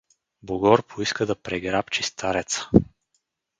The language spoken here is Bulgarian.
Богор поиска да преграбчи стареца.